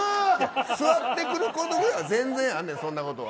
座ってくることぐらいは全然あんねん、そんなことは。